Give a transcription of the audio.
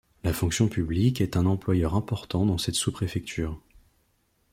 La fonction publique est un employeur important dans cette sous-préfecture.